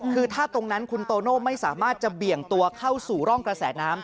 คือถ้าตรงนั้นคุณโตโน่ไม่สามารถจะเบี่ยงตัวเข้าสู่ร่องกระแสน้ำ